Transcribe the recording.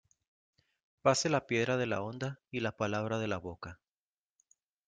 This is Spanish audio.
Vase la piedra de la honda y la palabra de la boca.